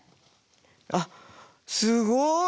あっすごい！